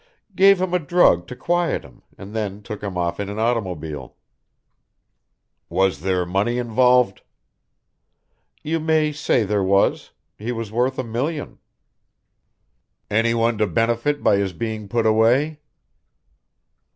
"Gave him a drug to quiet him, and then took him off in an automobile." "Was there money involved?" "You may say there was. He was worth a million." "Anyone to benefit by his being put away?"